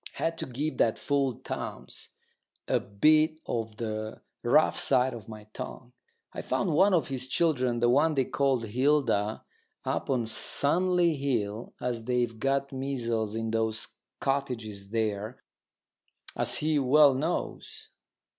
Had to give that fool Townes a bit of the rough side of my tongue. I found one of his children, the one they call Hilda, up on Sunley Hill, and they've got measles in those cottages there, as he well knows.